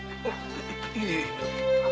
いえいえ。